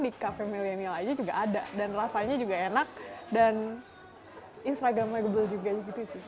di kafe milenial aja juga ada dan rasanya juga enak dan instagramable juga gitu sih